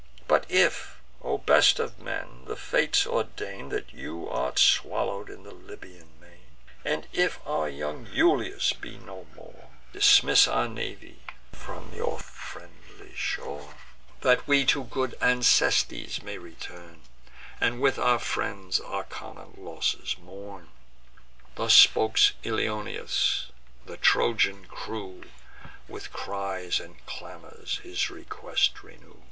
But if, O best of men, the Fates ordain That thou art swallow'd in the Libyan main, And if our young Iulus be no more, Dismiss our navy from your friendly shore, That we to good Acestes may return, And with our friends our common losses mourn." Thus spoke Ilioneus: the Trojan crew With cries and clamours his request renew.